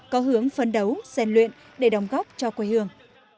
có hướng phấn đấu rèn luyện để đóng góp cho quê hương